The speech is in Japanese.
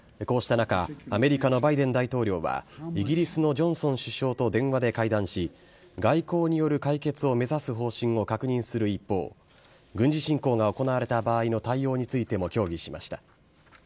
こうした中、アメリカのバイデン大統領は、イギリスのジョンソン首相と電話で会談し、外交による解決を目指す方針を確認する一方、軍事侵攻が行われた場合の対応についても協議しました。